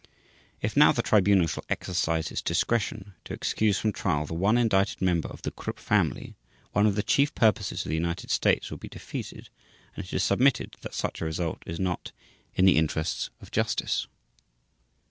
If now the Tribunal shall exercise its discretion to excuse from trial the one indicted member of the Krupp family, one of the chief purposes of the United States will be defeated and it is submitted that such a result is not "in the interests of justice."